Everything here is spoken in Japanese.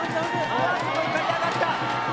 ふわっと浮かび上がった。